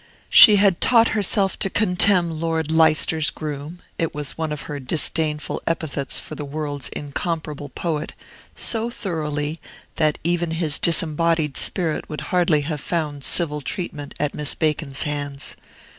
She had taught herself to contemn "Lord Leicester's groom" (it was one of her disdainful epithets for the world's incomparable poet) so thoroughly, that even his disembodied spirit would hardly have found civil treatment at Miss Bacon's hands.